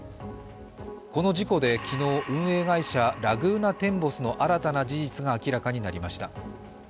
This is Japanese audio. この事故で昨日、運営会社ラグーナテンボスの新たな事実が明らかになりました。